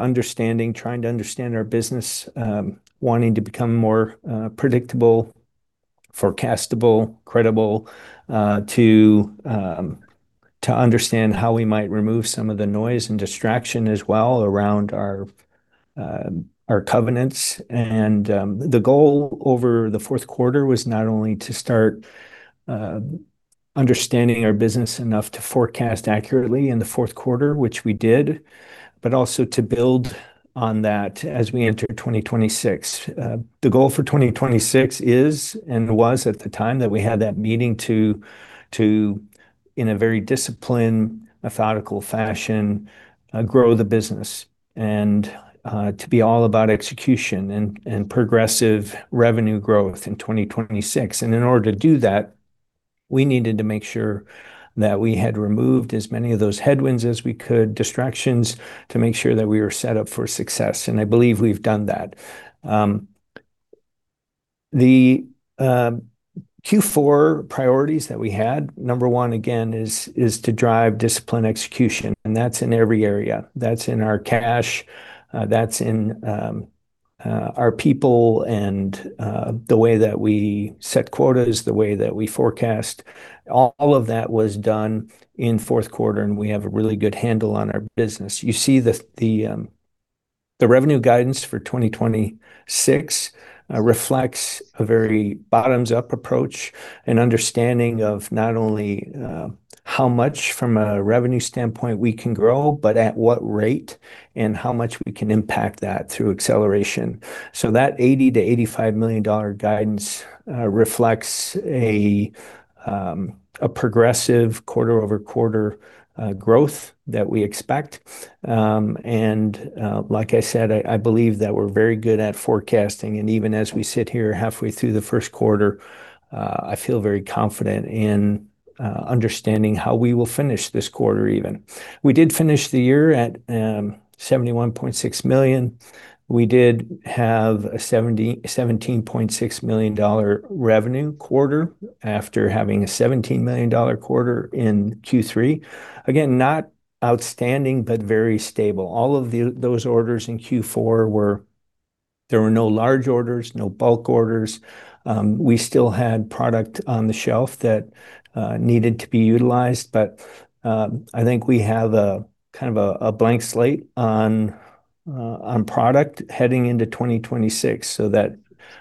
Understanding, trying to understand our business, wanting to become more, predictable, forecastable, credible, to, to understand how we might remove some of the noise and distraction as well around our, our covenants. And, the goal over the fourth quarter was not only to start, understanding our business enough to forecast accurately in the fourth quarter, which we did, but also to build on that as we enter 2026. The goal for 2026 is, and was at the time that we had that meeting, to, in a very disciplined, methodical fashion, grow the business, and, to be all about execution and, progressive revenue growth in 2026. In order to do that, we needed to make sure that we had removed as many of those headwinds as we could, distractions, to make sure that we were set up for success, and I believe we've done that. The Q4 priorities that we had, number one, again, is to drive disciplined execution, and that's in every area. That's in our cash, that's in our people, and the way that we set quotas, the way that we forecast. All of that was done in fourth quarter, and we have a really good handle on our business. You see the revenue guidance for 2026 reflects a very bottoms-up approach and understanding of not only how much from a revenue standpoint we can grow, but at what rate and how much we can impact that through acceleration. So that $80 million-$85 million guidance reflects a progressive quarter-over-quarter growth that we expect. And, like I said, I believe that we're very good at forecasting, and even as we sit here halfway through the first quarter, I feel very confident in understanding how we will finish this quarter even. We did finish the year at $71.6 million. We did have a $17.6 million revenue quarter after having a $17 million quarter in Q3. Again, not outstanding, but very stable. All of those orders in Q4 were. There were no large orders, no bulk orders. We still had product on the shelf that needed to be utilized, but I think we have a kind of a blank slate on product heading into 2026, so that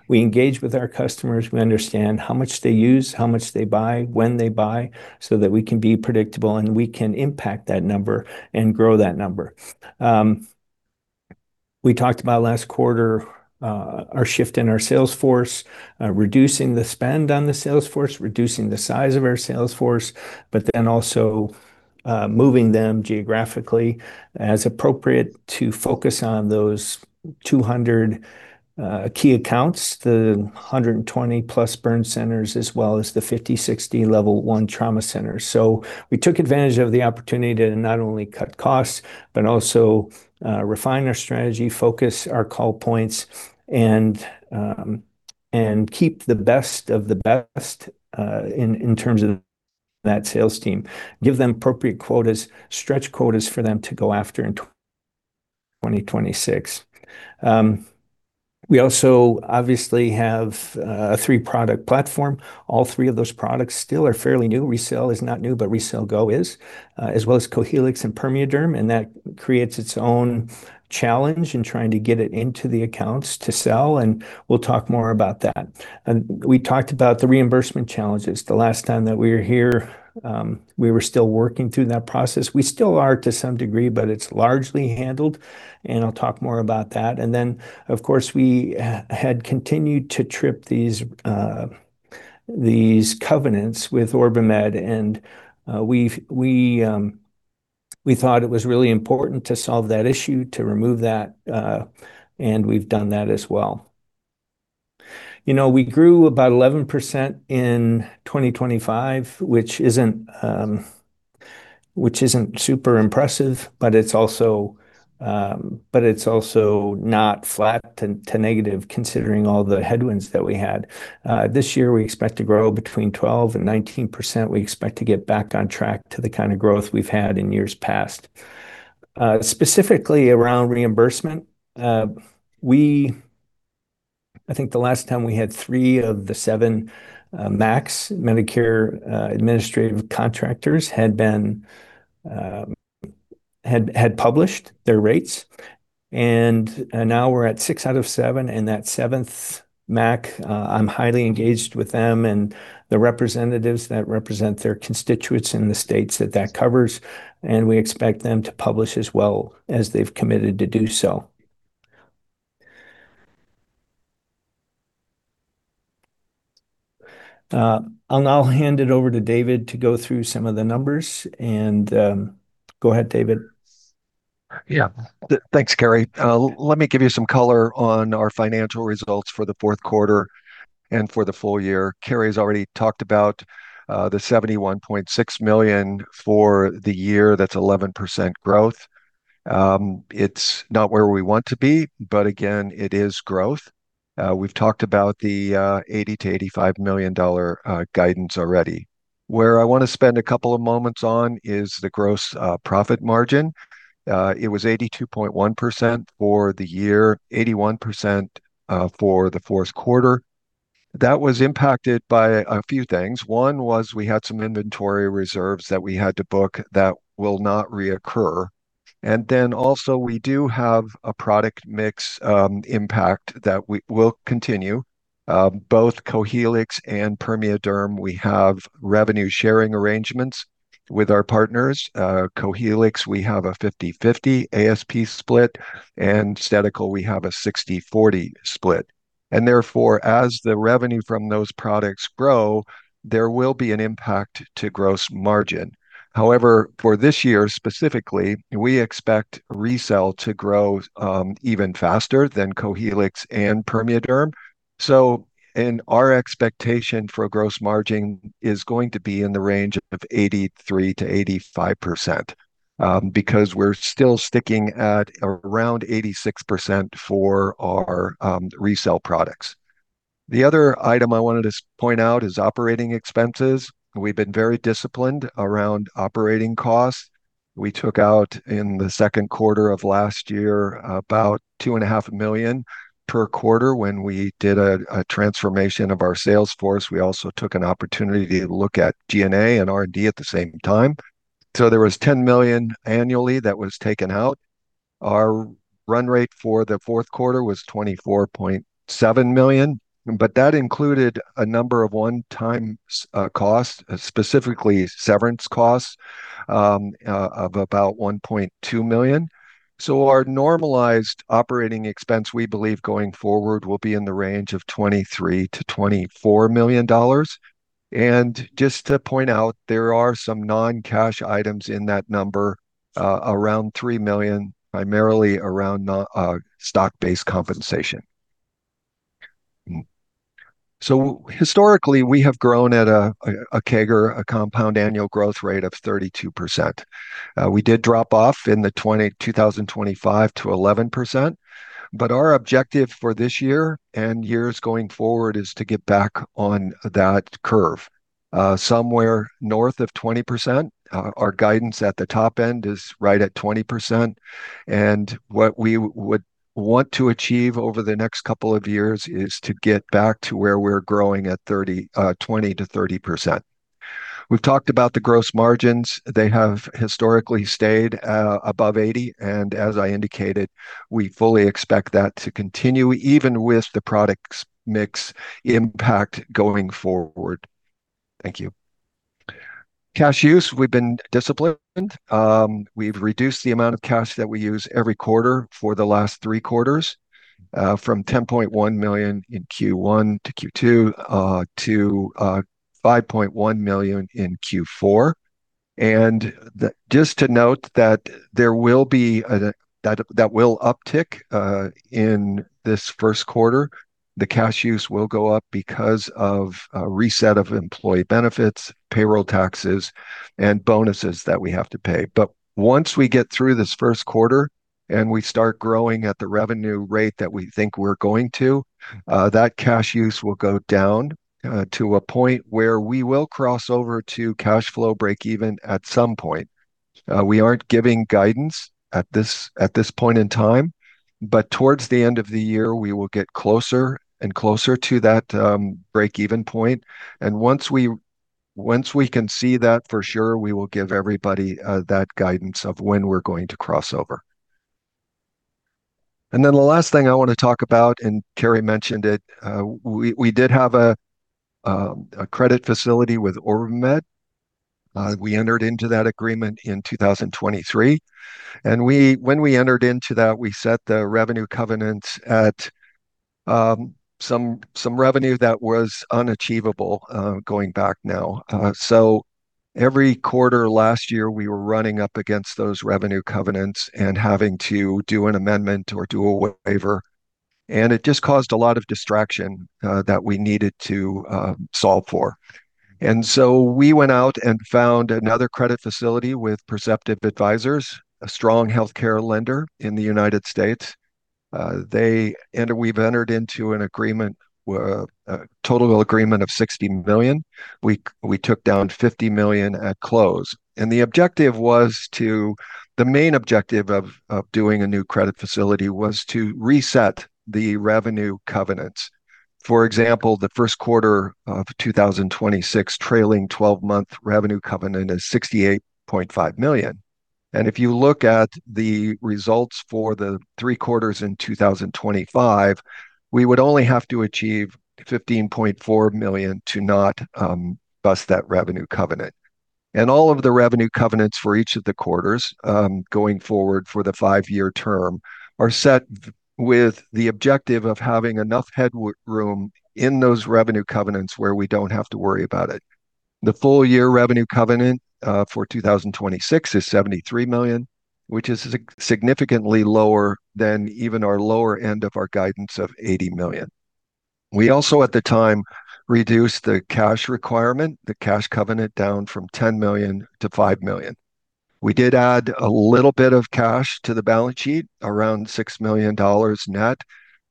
we engage with our customers. We understand how much they use, how much they buy, when they buy, so that we can be predictable, and we can impact that number and grow that number. We talked about last quarter our shift in our sales force, reducing the spend on the sales force, reducing the size of our sales force, but then also moving them geographically as appropriate to focus on those 200 key accounts, the 120+ burn centers, as well as the 50-60 level one trauma centers. So we took advantage of the opportunity to not only cut costs, but also refine our strategy, focus our call points, and keep the best of the best in terms of that sales team. Give them appropriate quotas, stretch quotas for them to go after in 2026. We also obviously have a three-product platform. All three of those products still are fairly new. RECELL is not new, but RECELL GO is, as well as Cohealyx and PermeaDerm, and that creates its own challenge in trying to get it into the accounts to sell, and we'll talk more about that. We talked about the reimbursement challenges. The last time that we were here, we were still working through that process. We still are to some degree, but it's largely handled, and I'll talk more about that. And then, of course, we had continued to trip these covenants with OrbiMed, and we thought it was really important to solve that issue, to remove that, and we've done that as well. You know, we grew about 11% in 2025, which isn't super impressive, but it's also not flat to negative, considering all the headwinds that we had. This year, we expect to grow between 12%-19%. We expect to get back on track to the kind of growth we've had in years past. Specifically around reimbursement, we—I think the last time we had three of the seven MACs, Medicare Administrative Contractors, had published their rates, and now we're at six out of seven, and that seventh MAC, I'm highly engaged with them and the representatives that represent their constituents in the states that that covers, and we expect them to publish as well, as they've committed to do so. I'll now hand it over to David to go through some of the numbers and go ahead, David. Yeah. Thanks, Cary. Let me give you some color on our financial results for the fourth quarter and for the full year. Cary's already talked about the $71.6 million for the year. That's 11% growth. It's not where we want to be, but again, it is growth. We've talked about the $80 million-$85 million guidance already. Where I wanna spend a couple of moments on is the gross profit margin. It was 82.1% for the year, 81% for the fourth quarter. That was impacted by a few things. One was we had some inventory reserves that we had to book that will not reoccur, and then also we do have a product mix impact that we will continue. Both Cohealyx and PermeaDerm, we have revenue sharing arrangements with our partners. Cohealyx, we have a 50/50 ASP split, and Stedical we have a 60/40 split. Therefore, as the revenue from those products grow, there will be an impact to gross margin. However, for this year specifically, we expect RECELL to grow even faster than Cohealyx and PermeaDerm. Our expectation for a gross margin is going to be in the range of 83%-85%, because we're still sticking at around 86% for our RECELL products. The other item I wanted to point out is operating expenses. We've been very disciplined around operating costs. We took out, in the second quarter of last year, about $2.5 million per quarter. When we did a, a transformation of our sales force, we also took an opportunity to look at G&A and R&D at the same time. There was $10 million annually that was taken out. Our run rate for the fourth quarter was $24.7 million, but that included a number of one-time costs, specifically severance costs of about $1.2 million. Our normalized operating expense, we believe, going forward, will be in the range of $23 million-$24 million. Just to point out, there are some non-cash items in that number, around $3 million, primarily around, you know, stock-based compensation. Historically, we have grown at a, a, a CAGR, a compound annual growth rate of 32%. We did drop off in the 2025 to 11%, but our objective for this year and years going forward is to get back on that curve, somewhere north of 20%. Our guidance at the top end is right at 20%, and what we would want to achieve over the next couple of years is to get back to where we're growing at 30%, 20%-30%. We've talked about the gross margins. They have historically stayed above 80%, and as I indicated, we fully expect that to continue even with the product mix impact going forward. Thank you. Cash use, we've been disciplined. We've reduced the amount of cash that we use every quarter for the last three quarters from $10.1 million in Q1 to Q2 to $5.1 million in Q4. And just to note that there will be an uptick in this first quarter. The cash use will go up because of a reset of employee benefits, payroll taxes, and bonuses that we have to pay. But once we get through this first quarter, and we start growing at the revenue rate that we think we're going to, that cash use will go down to a point where we will cross over to cash flow break even at some point. We aren't giving guidance at this point in time, but towards the end of the year, we will get closer and closer to that break-even point. Once we can see that for sure, we will give everybody that guidance of when we're going to cross over. Then the last thing I want to talk about, and Cary mentioned it, we did have a credit facility with OrbiMed. We entered into that agreement in 2023, and when we entered into that, we set the revenue covenant at some revenue that was unachievable, going back now. So every quarter last year, we were running up against those revenue covenants and having to do an amendment or do a waiver, and it just caused a lot of distraction that we needed to solve for. And so we went out and found another credit facility with Perceptive Advisors, a strong healthcare lender in the United States. And we've entered into an agreement, a total agreement of $60 million. We, we took down $50 million at close. And the objective was the main objective of doing a new credit facility was to reset the revenue covenants. For example, the first quarter of 2026, trailing twelve-month revenue covenant is $68.5 million. If you look at the results for the three quarters in 2025, we would only have to achieve $15.4 million to not bust that revenue covenant. All of the revenue covenants for each of the quarters going forward for the 5-year term are set with the objective of having enough headroom in those revenue covenants where we don't have to worry about it. The full year revenue covenant for 2026 is $73 million, which is significantly lower than even our lower end of our guidance of $80 million. We also, at the time, reduced the cash requirement, the cash covenant, down from $10 million to $5 million. We did add a little bit of cash to the balance sheet, around $6 million net,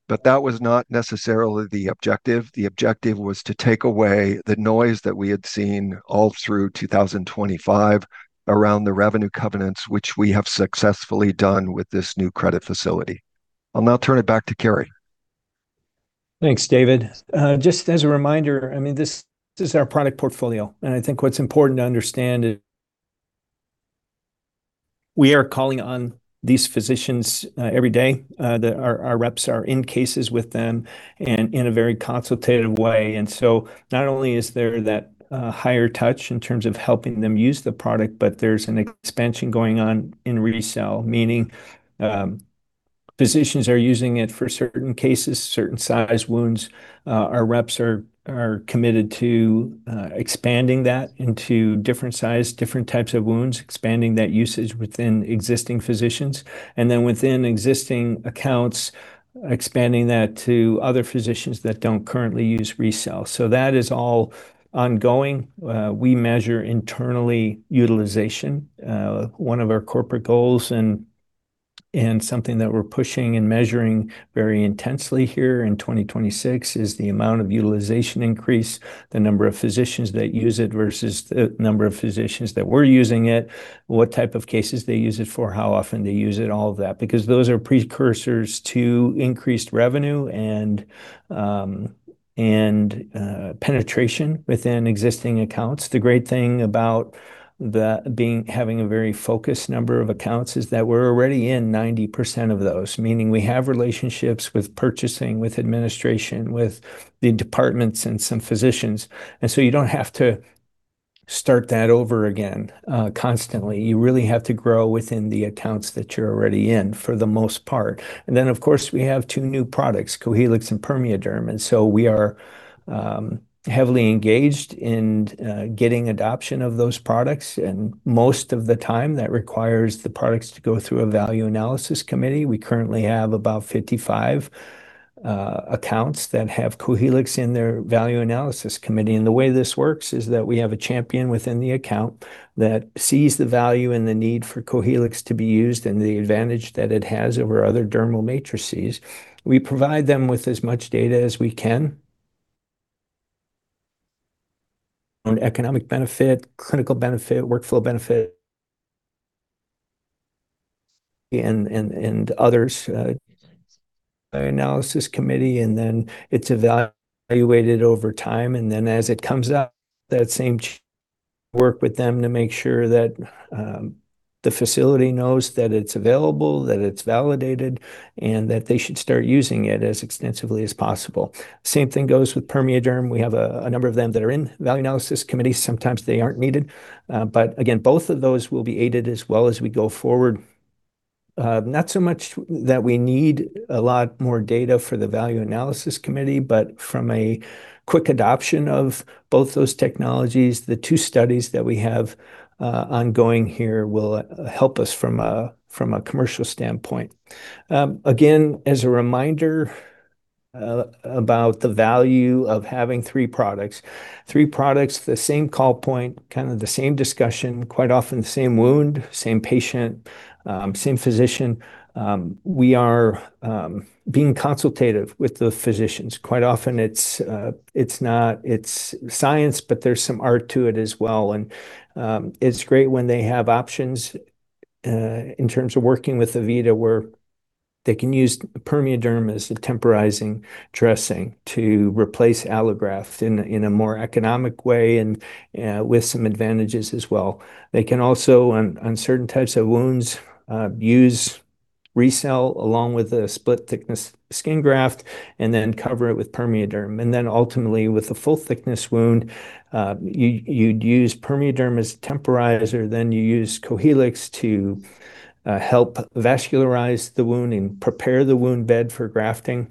but that was not necessarily the objective. The objective was to take away the noise that we had seen all through 2025 around the revenue covenants, which we have successfully done with this new credit facility. I'll now turn it back to Cary. Thanks, David. Just as a reminder, I mean, this, this is our product portfolio, and I think what's important to understand is we are calling on these physicians every day that our reps are in cases with them and in a very consultative way. And so not only is there that higher touch in terms of helping them use the product, but there's an expansion going on in RECELL, meaning physicians are using it for certain cases, certain size wounds. Our reps are committed to expanding that into different size, different types of wounds, expanding that usage within existing physicians, and then within existing accounts, expanding that to other physicians that don't currently use RECELL. So that is all ongoing. We measure internally utilization. One of our corporate goals and something that we're pushing and measuring very intensely here in 2026 is the amount of utilization increase, the number of physicians that use it versus the number of physicians that were using it, what type of cases they use it for, how often they use it, all of that. Because those are precursors to increased revenue and penetration within existing accounts. The great thing about having a very focused number of accounts is that we're already in 90% of those, meaning we have relationships with purchasing, with administration, with the departments, and some physicians. And so you don't have to start that over again, constantly. You really have to grow within the accounts that you're already in, for the most part. We have two new products, Cohealyx and PermeaDerm, and we are heavily engaged in getting adoption of those products. Most of the time, that requires the products to go through a value analysis committee. We currently have about 55 accounts that have Cohealyx in their value analysis committee. The way this works is that we have a champion within the account that sees the value and the need for Cohealyx to be used, and the advantage that it has over other dermal matrices. We provide them with as much data as we can on economic benefit, clinical benefit, workflow benefit, and others, analysis committee, and then it's evaluated over time. As it comes up, that same work with them to make sure that the facility knows that it's available, that it's validated, and that they should start using it as extensively as possible. Same thing goes with PermeaDerm. We have a number of them that are in value analysis committees. Sometimes they aren't needed, but again, both of those will be aided as well as we go forward. Not so much that we need a lot more data for the value analysis committee, but from a quick adoption of both those technologies, the two studies that we have ongoing here will help us from a commercial standpoint. Again, as a reminder, about the value of having three products, three products, the same call point, kinda the same discussion, quite often the same wound, same patient, same physician. We are being consultative with the physicians. Quite often, it's science, but there's some art to it as well, and it's great when they have options in terms of working with AVITA, where they can use PermeaDerm as a temporizing dressing to replace allograft in a more economic way and with some advantages as well. They can also on certain types of wounds use RECELL along with a split-thickness skin graft and then cover it with PermeaDerm. And then ultimately, with the full-thickness wound, you'd use PermeaDerm as temporizer, then you use Cohealyx to help vascularize the wound and prepare the wound bed for grafting,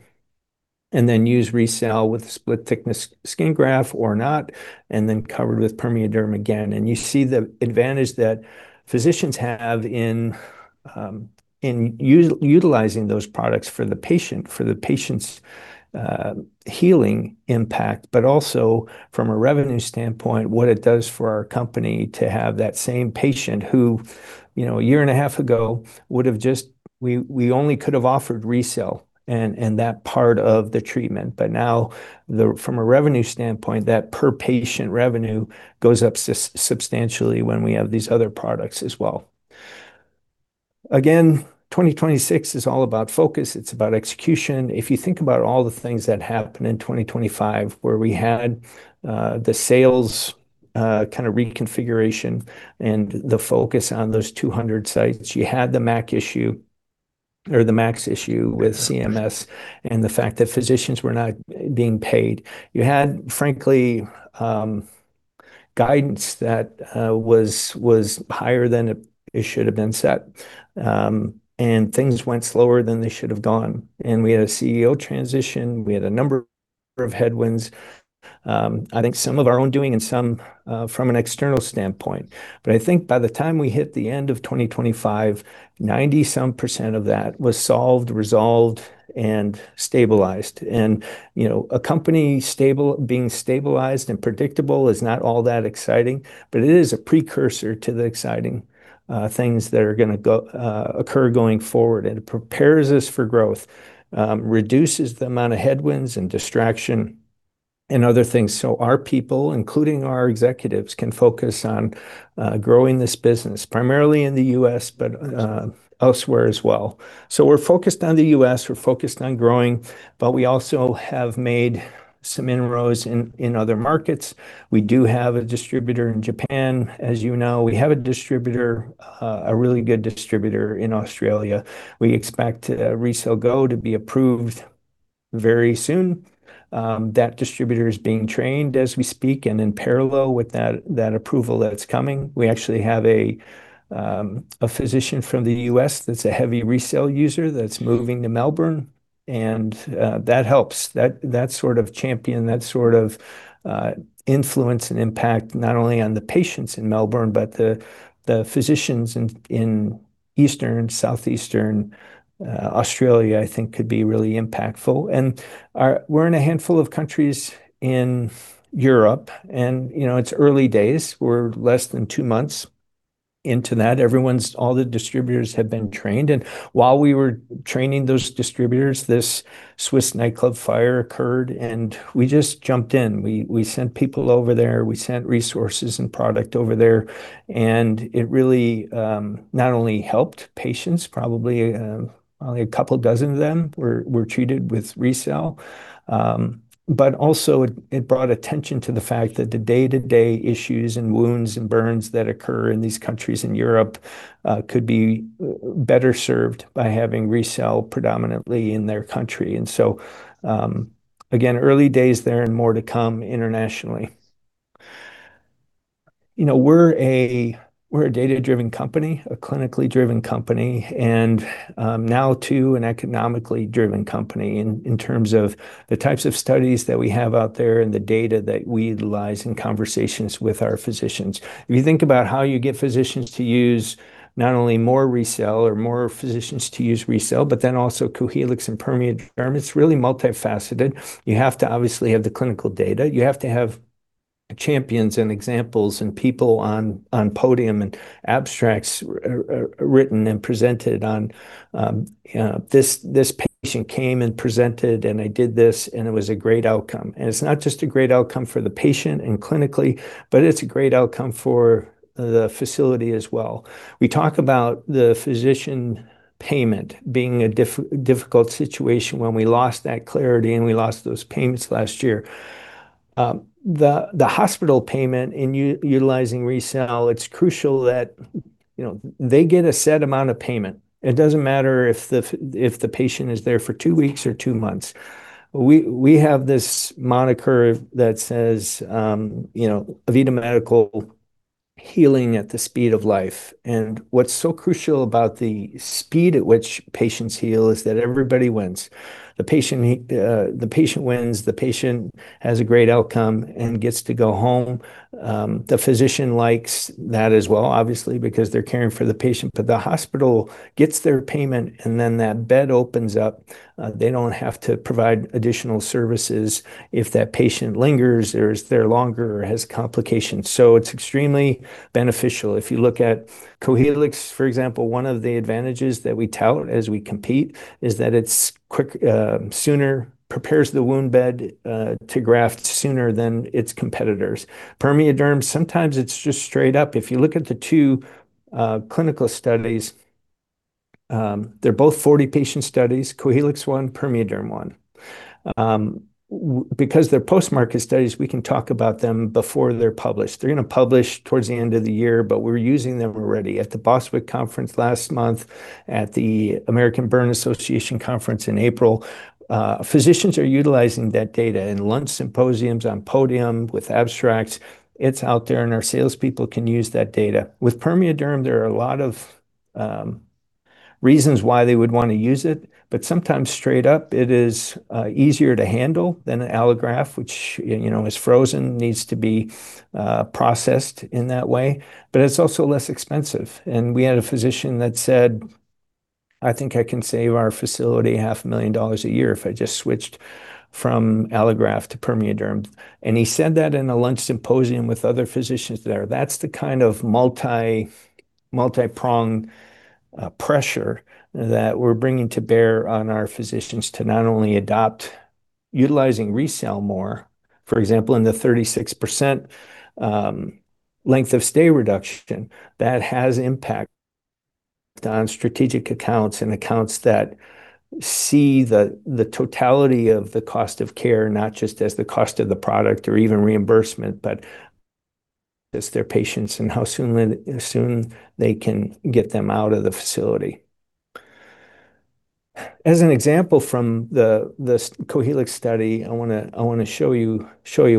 and then use RECELL with split-thickness skin graft or not, and then cover it with PermeaDerm again. You see the advantage that physicians have in utilizing those products for the patient, for the patient's healing impact, but also from a revenue standpoint, what it does for our company to have that same patient who, you know, a year and a half ago, would have just. We only could have offered RECELL and that part of the treatment. But now, the, from a revenue standpoint, that per-patient revenue goes up substantially when we have these other products as well. Again, 2026 is all about focus. It's about execution. If you think about all the things that happened in 2025, where we had the sales kind of reconfiguration and the focus on those 200 sites, you had the MAC issue or the MACs issue with CMS, and the fact that physicians were not being paid. You had, frankly, guidance that was higher than it should have been set. And things went slower than they should have gone. And we had a CEO transition, we had a number of headwinds, I think some of our own doing and some from an external standpoint. But I think by the time we hit the end of 2025, 90-some% of that was solved, resolved, and stabilized. And, you know, a company being stabilized and predictable is not all that exciting, but it is a precursor to the exciting things that are gonna occur going forward, and it prepares us for growth, reduces the amount of headwinds and distraction, and other things. So our people, including our executives, can focus on growing this business, primarily in the U.S., but elsewhere as well. So we're focused on the U.S., we're focused on growing, but we also have made some inroads in other markets. We do have a distributor in Japan, as you know. We have a distributor, a really good distributor in Australia. We expect RECELL GO to be approved very soon. That distributor is being trained as we speak, and in parallel with that, that approval that's coming, we actually have a physician from the U.S. that's a heavy RECELL user that's moving to Melbourne, and that helps. That sort of champion, that sort of influence and impact, not only on the patients in Melbourne, but the physicians in eastern, southeastern Australia, I think could be really impactful. And we're in a handful of countries in Europe and, you know, it's early days. We're less than two months into that. All the distributors have been trained, and while we were training those distributors, this Swiss nightclub fire occurred, and we just jumped in. We sent people over there, we sent resources and product over there, and it really not only helped patients, probably only a couple dozen of them were treated with RECELL, but also it brought attention to the fact that the day-to-day issues, and wounds, and burns that occur in these countries in Europe could be better served by having RECELL predominantly in their country. And so, again, early days there and more to come internationally. You know, we're a data-driven company, a clinically driven company, and now too, an economically driven company in terms of the types of studies that we have out there and the data that we utilize in conversations with our physicians. If you think about how you get physicians to use not only more RECELL or more physicians to use RECELL, but then also Cohealyx and PermeaDerm, it's really multifaceted. You have to obviously have the clinical data. You have to have champions, and examples, and people on podium, and abstracts written and presented on. This patient came and presented, and I did this, and it was a great outcome. And it's not just a great outcome for the patient and clinically, but it's a great outcome for the facility as well. We talk about the physician payment being a difficult situation when we lost that clarity, and we lost those payments last year. The hospital payment in utilizing RECELL, it's crucial that, you know, they get a set amount of payment. It doesn't matter if the patient is there for two weeks or two months. We have this moniker that says, you know, AVITA Medical: Healing at the speed of life. And what's so crucial about the speed at which patients heal is that everybody wins. The patient wins, the patient has a great outcome and gets to go home. The physician likes that as well, obviously, because they're caring for the patient, but the hospital gets their payment, and then that bed opens up. They don't have to provide additional services if that patient lingers, or is there longer, or has complications, so it's extremely beneficial. If you look at Cohealyx, for example, one of the advantages that we tout as we compete is that it's quick, sooner, prepares the wound bed, to graft sooner than its competitors. PermeaDerm, sometimes it's just straight up. If you look at the two, clinical studies, they're both 40-patient studies, Cohealyx, one, PermeaDerm, one. Because they're post-market studies, we can talk about them before they're published. They're gonna publish towards the end of the year, but we're using them already. At the Boswick Conference last month, at the American Burn Association conference in April, physicians are utilizing that data in lunch symposiums, on podium, with abstracts. It's out there, and our salespeople can use that data. With PermeaDerm, there are a lot of reasons why they would wanna use it, but sometimes straight up, it is easier to handle than an allograft, which you know, is frozen, needs to be processed in that way, but it's also less expensive. We had a physician that said, "I think I can save our facility $500,000 a year if I just switched from allograft to PermeaDerm." He said that in a lunch symposium with other physicians there. That's the kind of multipronged pressure that we're bringing to bear on our physicians to not only adopt utilizing RECELL more. For example, in the 36% length of stay reduction, that has impact on strategic accounts and accounts that see the totality of the cost of care, not just the cost of the product or even reimbursement, but it's their patients and how soon they can get them out of the facility. As an example from the Cohealyx study, I wanna show you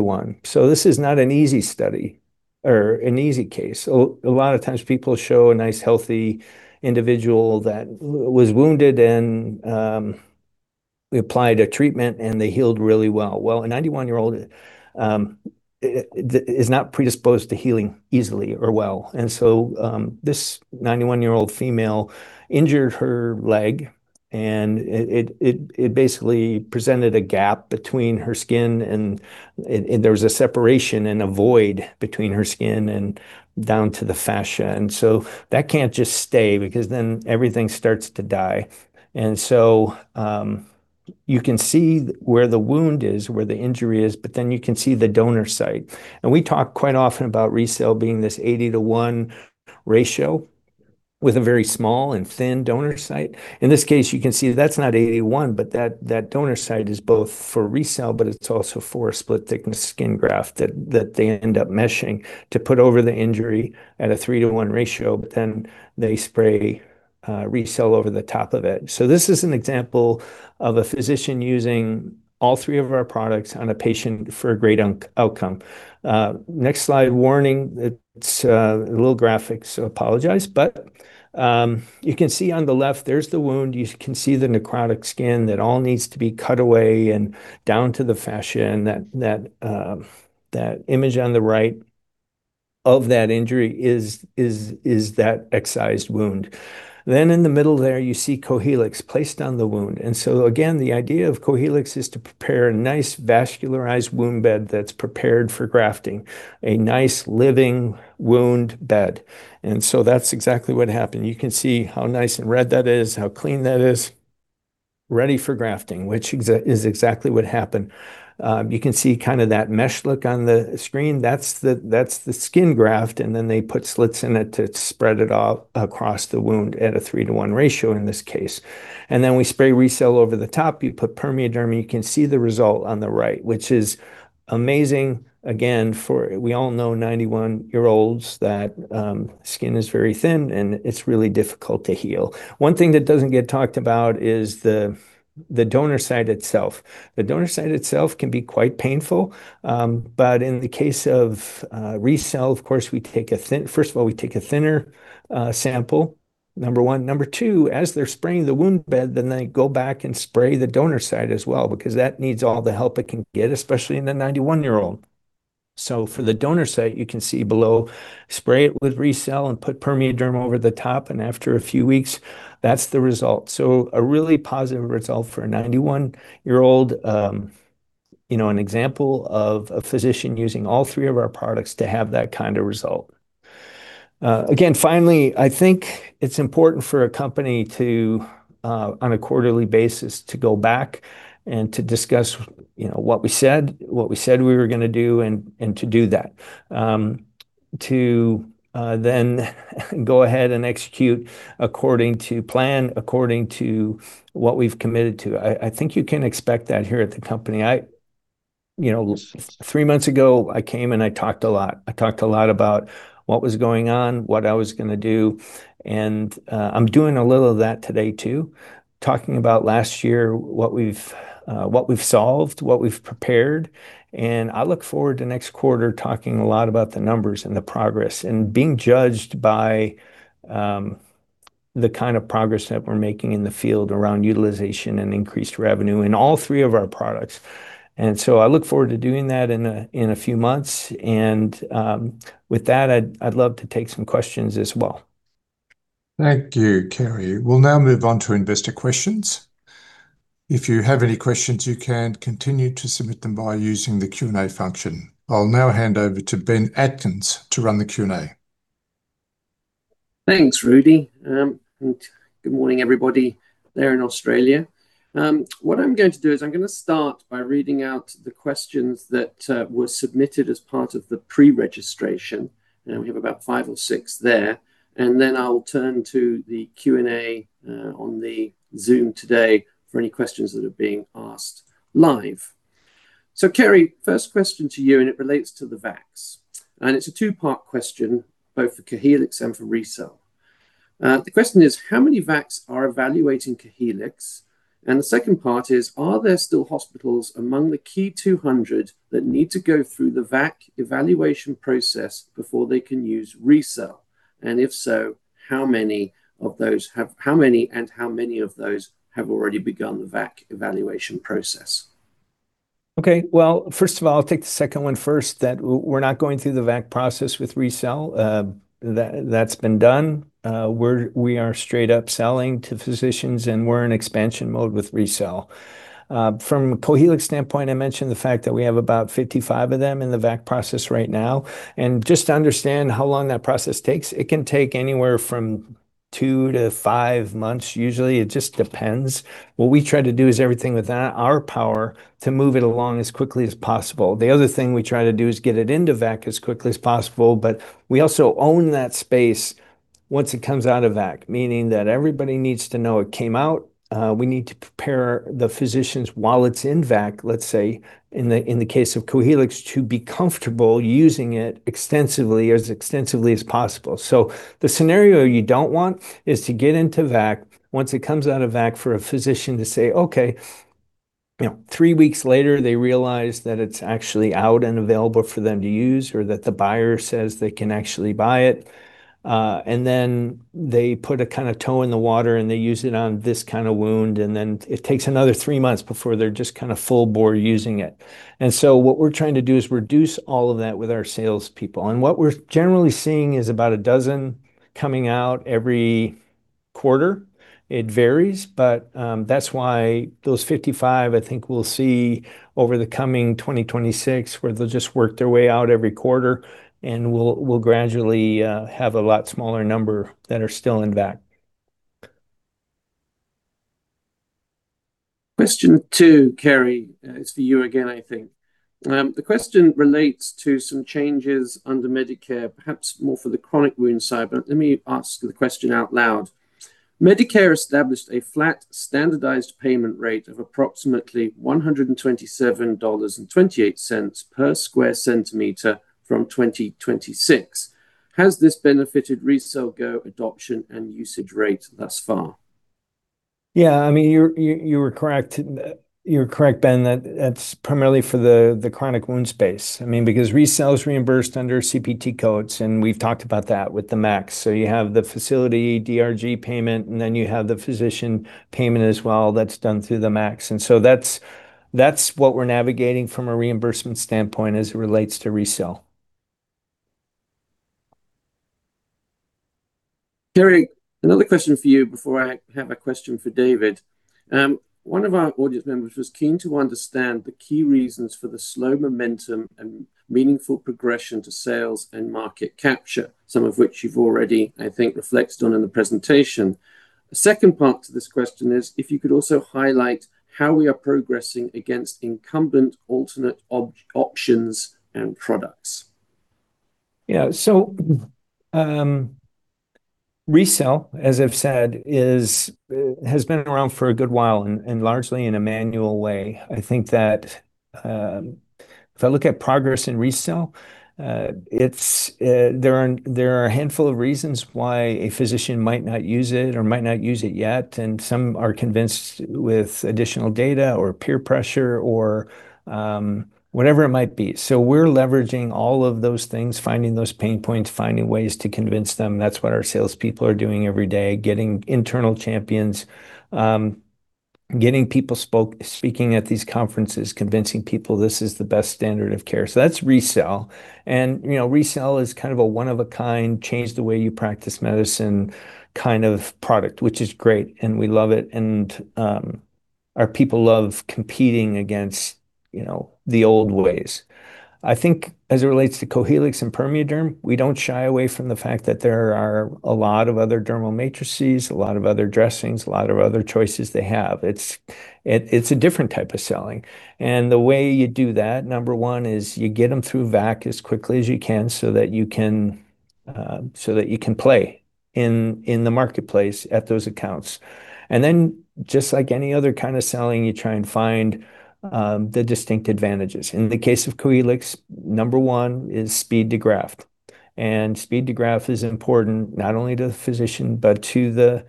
one. So this is not an easy study or an easy case. A lot of times, people show a nice, healthy individual that was wounded, and we applied a treatment, and they healed really well. Well, a 91-year-old is not predisposed to healing easily or well. This 91-year-old female injured her leg, and it basically presented a gap between her skin, and there was a separation and a void between her skin and down to the fascia. That can't just stay because then everything starts to die. You can see where the wound is, where the injury is, but then you can see the donor site. We talk quite often about RECELL being this 80-to-1 ratio with a very small and thin donor site. In this case, you can see that's not 80-to-1, but that donor site is both for RECELL, but it's also for a split-thickness skin graft that they end up meshing to put over the injury at a 3-to-1 ratio. But then they spray RECELL over the top of it. So this is an example of a physician using all three of our products on a patient for a great outcome. Next slide, warning, it's a little graphic, so apologize. But you can see on the left, there's the wound. You can see the necrotic skin that all needs to be cut away and down to the fascia, and that image on the right of that injury is that excised wound. Then in the middle there, you see Cohealyx placed on the wound. And so again, the idea of Cohealyx is to prepare a nice, vascularized wound bed that's prepared for grafting, a nice, living wound bed. And so that's exactly what happened. You can see how nice and red that is, how clean that is, ready for grafting, which is exactly what happened. You can see kind of that mesh look on the screen. That's the, that's the skin graft, and then they put slits in it to spread it out across the wound at a 3-to-1 ratio in this case. And then we spray RECELL over the top. You put PermeaDerm, you can see the result on the right, which is amazing. Again, for—we all know 91-year-olds, that, skin is very thin, and it's really difficult to heal. One thing that doesn't get talked about is the, the donor site itself. The donor site itself can be quite painful, but in the case of, RECELL, of course, we take a thin—first of all, we take a thinner, sample, number one. Number two, as they're spraying the wound bed, then they go back and spray the donor site as well, because that needs all the help it can get, especially in a 91-year-old. So for the donor site, you can see below, spray it with RECELL and put PermeaDerm over the top, and after a few weeks, that's the result. So a really positive result for a 91-year-old. You know, an example of a physician using all three of our products to have that kind of result. Again, finally, I think it's important for a company to, on a quarterly basis, to go back and to discuss, you know, what we said, what we said we were gonna do, and to do that. To then go ahead and execute according to plan, according to what we've committed to. I think you can expect that here at the company. You know, three months ago, I came, and I talked a lot. I talked a lot about what was going on, what I was gonna do, and I'm doing a little of that today, too. Talking about last year, what we've solved, what we've prepared, and I look forward to next quarter, talking a lot about the numbers and the progress, and being judged by the kind of progress that we're making in the field around utilization and increased revenue in all three of our products. And so I look forward to doing that in a few months, and with that, I'd love to take some questions as well. Thank you, Cary. We'll now move on to investor questions. If you have any questions, you can continue to submit them by using the Q&A function. I'll now hand over to Ben Atkins to run the Q&A. Thanks, Rudy. And good morning, everybody there in Australia. What I'm going to do is, I'm gonna start by reading out the questions that were submitted as part of the pre-registration, and we have about five or six there. Then I'll turn to the Q&A on the Zoom today for any questions that are being asked live. So, Cary, first question to you, and it relates to the VACs, and it's a two-part question, both for Cohealyx and for RECELL. The question is: How many VACs are evaluating Cohealyx? And the second part is: Are there still hospitals among the key 200 that need to go through the VAC evaluation process before they can use RECELL? And if so, how many of those have already begun the VAC evaluation process? Okay, well, first of all, I'll take the second one first, that we're not going through the VAC process with RECELL. That, that's been done. We're—we are straight up selling to physicians, and we're in expansion mode with RECELL. From a Cohealyx standpoint, I mentioned the fact that we have about 55 of them in the VAC process right now. And just to understand how long that process takes, it can take anywhere from 2-5 months usually. It just depends. What we try to do is everything within our power to move it along as quickly as possible. The other thing we try to do is get it into VAC as quickly as possible, but we also own that space once it comes out of VAC, meaning that everybody needs to know it came out. We need to prepare the physicians while it's in VAC, let's say, in the case of Cohealyx, to be comfortable using it extensively, as extensively as possible. So the scenario you don't want is to get into VAC, once it comes out of VAC, for a physician to say, "Okay, you know, three weeks later, they realize that it's actually out and available for them to use, or that the buyer says they can actually buy it. And then they put a kind of toe in the water, and they use it on this kind of wound, and then it takes another three months before they're just kind of full bore using it. And so what we're trying to do is reduce all of that with our sales people. And what we're generally seeing is about a dozen coming out every quarter. It varies, but that's why those 55, I think we'll see over the coming 2026, where they'll just work their way out every quarter, and we'll gradually have a lot smaller number that are still in VAC. Question two, Cary, it's for you again, I think. The question relates to some changes under Medicare, perhaps more for the chronic wound side, but let me ask the question out loud. Medicare established a flat, standardized payment rate of approximately $127.28 per square centimeter from 2026. Has this benefited RECELL GO adoption and usage rate thus far? Yeah, I mean, you were correct. You're correct, Ben, that it's primarily for the chronic wound space. I mean, because RECELL's reimbursed under CPT codes, and we've talked about that with the MAC. So you have the facility DRG payment, and then you have the physician payment as well. That's done through the MAC. And so that's what we're navigating from a reimbursement standpoint as it relates to RECELL. Cary, another question for you before I have a question for David. One of our audience members was keen to understand the key reasons for the slow momentum and meaningful progression to sales and market capture, some of which you've already, I think, reflected on in the presentation. The second part to this question is, if you could also highlight how we are progressing against incumbent alternate options and products. Yeah. So, RECELL, as I've said, is has been around for a good while and largely in a manual way. I think that if I look at progress in RECELL, it's there are a handful of reasons why a physician might not use it or might not use it yet, and some are convinced with additional data or peer pressure or whatever it might be. So we're leveraging all of those things, finding those pain points, finding ways to convince them. That's what our salespeople are doing every day, getting internal champions, getting people speaking at these conferences, convincing people this is the best standard of care. So that's RECELL, and, you know, RECELL is kind of a one-of-a-kind, change the way you practice medicine kind of product, which is great, and we love it, and, our people love competing against, you know, the old ways. I think as it relates to Cohealyx and PermeaDerm, we don't shy away from the fact that there are a lot of other dermal matrices, a lot of other dressings, a lot of other choices they have. It's, it, it's a different type of selling, and the way you do that, number one, is you get them through VAC as quickly as you can so that you can, so that you can play in, in the marketplace at those accounts. And then, just like any other kind of selling, you try and find, the distinct advantages. In the case of Cohealyx, number one is speed to graft, and speed to graft is important not only to the physician but to the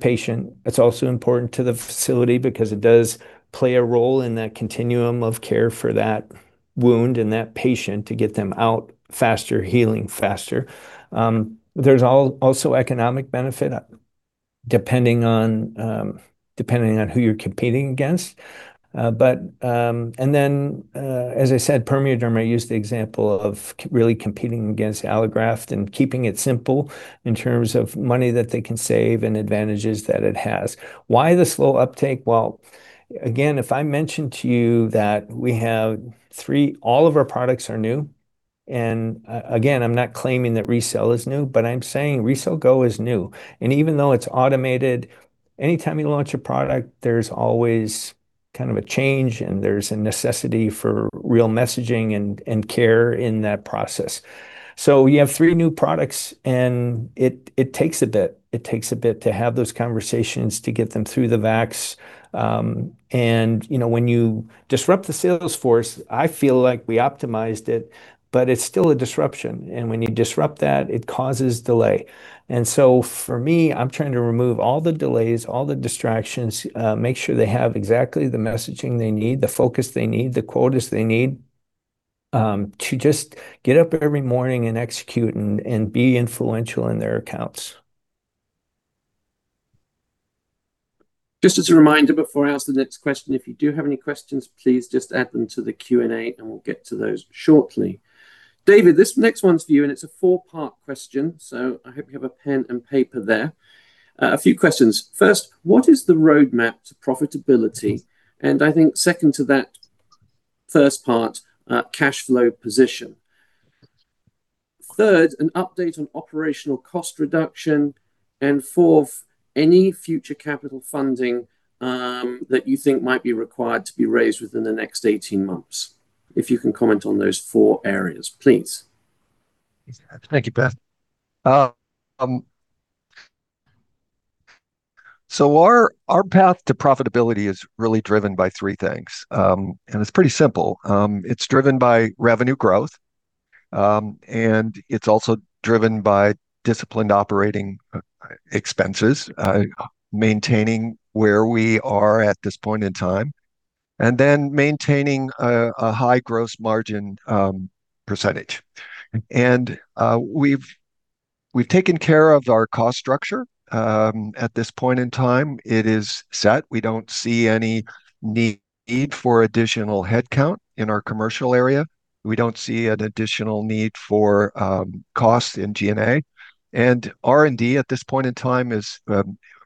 patient. It's also important to the facility because it does play a role in that continuum of care for that wound and that patient to get them out faster, healing faster. There's also economic benefit, depending on who you're competing against. As I said, PermeaDerm, I used the example of really competing against Allograft and keeping it simple in terms of money that they can save and advantages that it has. Why the slow uptake? Well, again, if I mentioned to you that we have three. All of our products are new, and again, I'm not claiming that RECELL is new, but I'm saying RECELL GO is new. And even though it's automated, anytime you launch a product, there's always kind of a change, and there's a necessity for real messaging and care in that process. So you have three new products, and it takes a bit. It takes a bit to have those conversations, to get them through the VACs. And, you know, when you disrupt the sales force, I feel like we optimized it, but it's still a disruption, and when you disrupt that, it causes delay. And so for me, I'm trying to remove all the delays, all the distractions, make sure they have exactly the messaging they need, the focus they need, the quotas they need, to just get up every morning and execute and be influential in their accounts. Just as a reminder, before I ask the next question, if you do have any questions, please just add them to the Q&A, and we'll get to those shortly. David, this next one's for you, and it's a 4-part question, so I hope you have a pen and paper there. A few questions. First, what is the roadmap to profitability? And I think second to that first part, cash flow position. Third, an update on operational cost reduction, and fourth, any future capital funding, that you think might be required to be raised within the next 18 months. If you can comment on those four areas, please. Thank you, Ben. So our path to profitability is really driven by 3 things, and it's pretty simple. It's driven by revenue growth, and it's also driven by disciplined operating expenses, maintaining where we are at this point in time, and then maintaining a high gross margin percentage. And we've taken care of our cost structure. At this point in time, it is set. We don't see any need for additional headcount in our commercial area. We don't see an additional need for cost in G&A. And R&D, at this point in time, is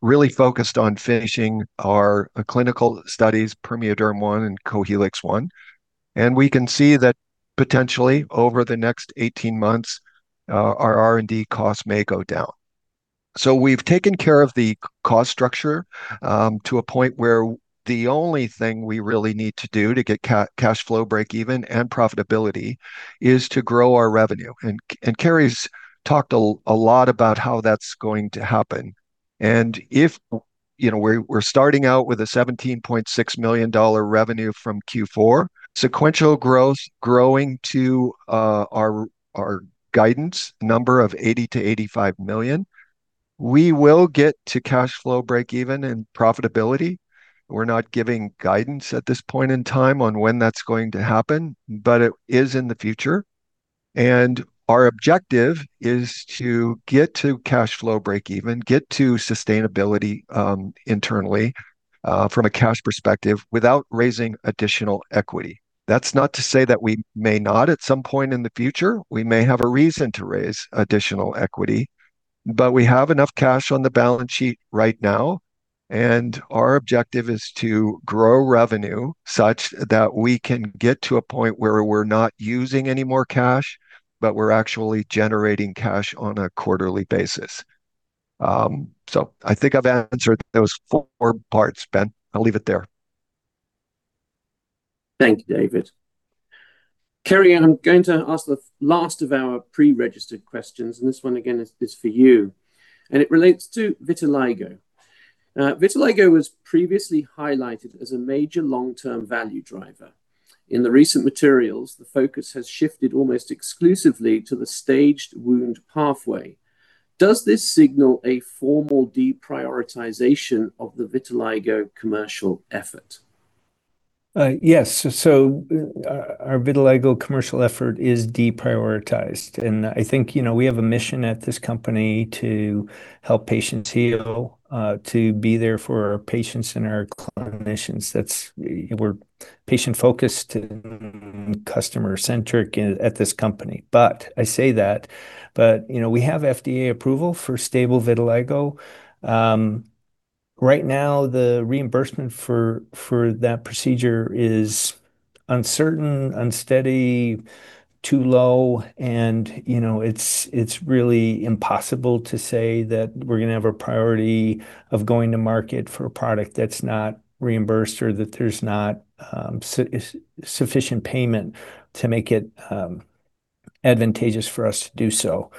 really focused on finishing our clinical studies, PermeaDerm 1 and Cohealyx 1. And we can see that potentially, over the next 18 months, our R&D costs may go down. So we've taken care of the cost structure, to a point where the only thing we really need to do to get cash flow breakeven and profitability, is to grow our revenue. And Cary's talked a lot about how that's going to happen. And if, you know, we're starting out with a $17.6 million revenue from Q4, sequential growth growing to our guidance number of $80 million-$85 million, we will get to cash flow breakeven and profitability. We're not giving guidance at this point in time on when that's going to happen, but it is in the future. And our objective is to get to cash flow breakeven, get to sustainability, internally, from a cash perspective, without raising additional equity. That's not to say that we may not at some point in the future. We may have a reason to raise additional equity, but we have enough cash on the balance sheet right now, and our objective is to grow revenue such that we can get to a point where we're not using any more cash, but we're actually generating cash on a quarterly basis. So I think I've answered those four parts, Ben. I'll leave it there. Thank you, David. Cary, I'm going to ask the last of our pre-registered questions, and this one again is, is for you, and it relates to vitiligo. Vitiligo was previously highlighted as a major long-term value driver. In the recent materials, the focus has shifted almost exclusively to the staged wound pathway. Does this signal a formal deprioritization of the vitiligo commercial effort? Yes. So, our vitiligo commercial effort is deprioritized, and I think, you know, we have a mission at this company to help patients heal, to be there for our patients and our clinicians. That's—we're patient-focused and customer-centric at this company. But I say that, but, you know, we have FDA approval for stable vitiligo. Right now, the reimbursement for that procedure is uncertain, unsteady, too low, and, you know, it's really impossible to say that we're gonna have a priority of going to market for a product that's not reimbursed or that there's not sufficient payment to make it advantageous for us to do so.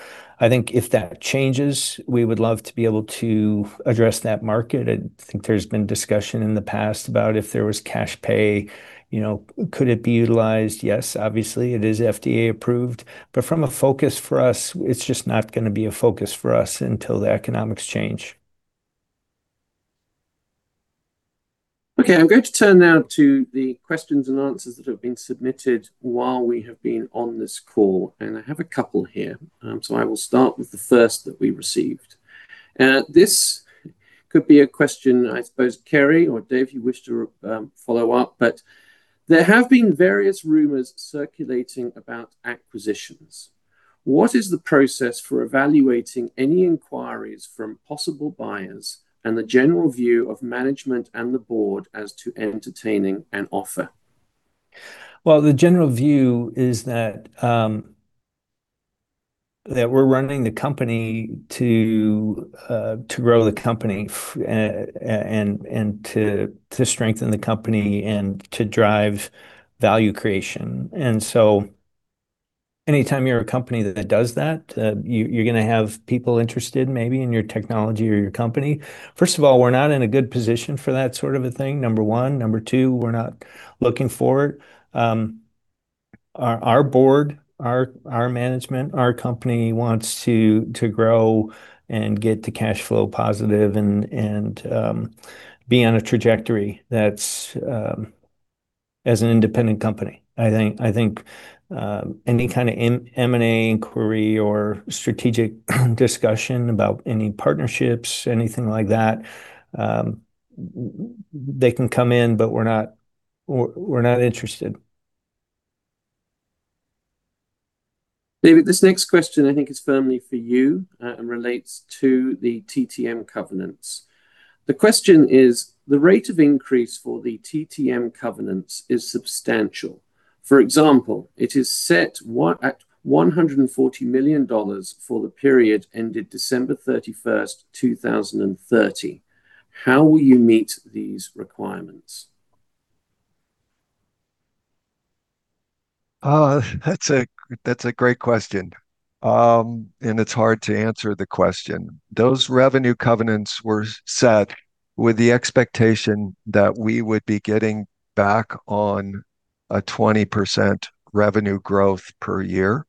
I think if that changes, we would love to be able to address that market. I think there's been discussion in the past about if there was cash pay, you know, could it be utilized? Yes, obviously, it is FDA approved. But from a focus for us, it's just not gonna be a focus for us until the economics change. Okay. I'm going to turn now to the questions and answers that have been submitted while we have been on this call, and I have a couple here. So I will start with the first that we received. This could be a question, I suppose, Cary or David, you wish to follow up, but there have been various rumors circulating about acquisitions. What is the process for evaluating any inquiries from possible buyers and the general view of management and the board as to entertaining an offer? Well, the general view is that we're running the company to grow the company and to strengthen the company and to drive value creation. And so anytime you're a company that does that, you're gonna have people interested maybe in your technology or your company. First of all, we're not in a good position for that sort of a thing, number one. Number two, we're not looking for it. Our board, our management, our company wants to grow and get to cash flow positive and be on a trajectory that's as an independent company. I think any kind of M&A inquiry or strategic discussion about any partnerships, anything like that, they can come in, but we're not interested. David, this next question I think is firmly for you, and relates to the TTM covenants. The question is: The rate of increase for the TTM covenants is substantial. For example, it is set at $140 million for the period ended December 31st, 2030. How will you meet these requirements? That's a great question. It's hard to answer the question. Those revenue covenants were set with the expectation that we would be getting back on a 20% revenue growth per year.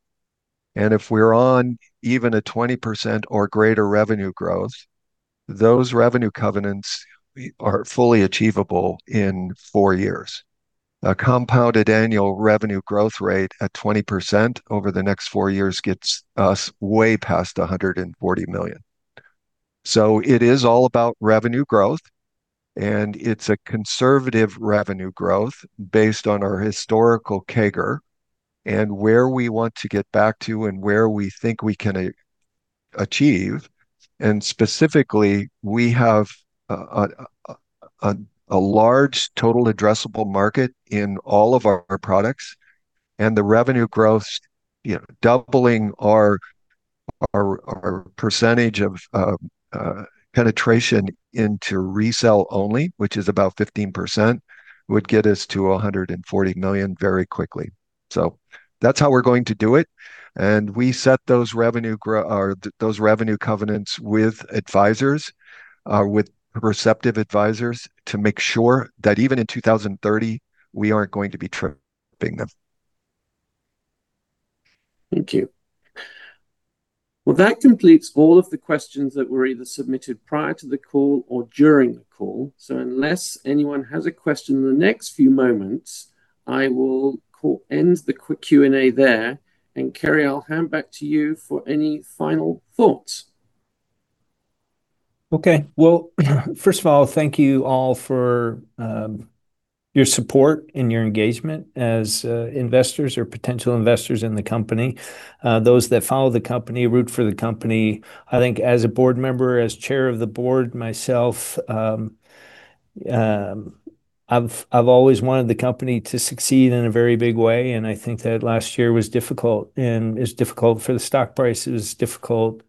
If we're on even a 20% or greater revenue growth, those revenue covenants are fully achievable in 4 years. A compounded annual revenue growth rate at 20% over the next 4 years gets us way past $140 million. It is all about revenue growth, and it's a conservative revenue growth based on our historical CAGR, and where we want to get back to, and where we think we can achieve. Specifically, we have a large total addressable market in all of our products, and the revenue growth, you know, doubling our percentage of penetration into RECELL only, which is about 15%, would get us to $140 million very quickly. So that's how we're going to do it, and we set those revenue covenants with advisors with Perceptive Advisors, to make sure that even in 2030, we aren't going to be tripping them. Thank you. Well, that completes all of the questions that were either submitted prior to the call or during the call. Unless anyone has a question in the next few moments, I will end the quick Q&A there. Cary, I'll hand back to you for any final thoughts. Okay. Well, first of all, thank you all for your support and your engagement as investors or potential investors in the company. Those that follow the company, root for the company. I think as a board member, as chair of the board myself, I've, I've always wanted the company to succeed in a very big way, and I think that last year was difficult and it's difficult for the stock price. It was difficult,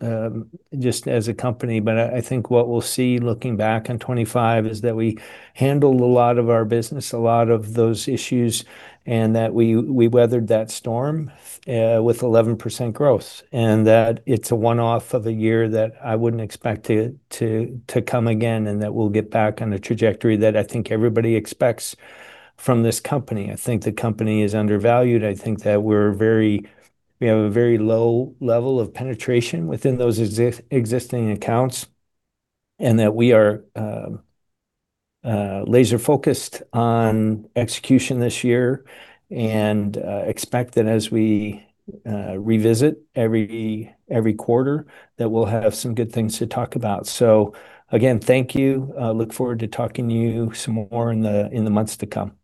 just as a company. But I, I think what we'll see looking back on 2025, is that we handled a lot of our business, a lot of those issues, and that we, we weathered that storm, with 11% growth. That it's a one-off of a year that I wouldn't expect it to come again, and that we'll get back on the trajectory that I think everybody expects from this company. I think the company is undervalued. I think that we're very, we have a very low level of penetration within those existing accounts, and that we are laser focused on execution this year. And expect that as we revisit every quarter, that we'll have some good things to talk about. So again, thank you. Look forward to talking to you some more in the months to come. Thank you.